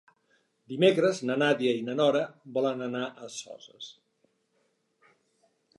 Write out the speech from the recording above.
Dimecres na Nàdia i na Nora volen anar a Soses.